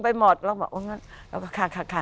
พระสัตว์หุ้มนะครัว